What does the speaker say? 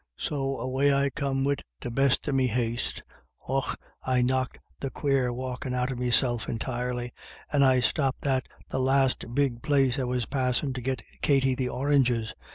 " So away I come wid the best of me haste ; och, I knocked the quare walkin' out of meself entirely. And I stopped at the last big place I was passin' to get Katty the oranges.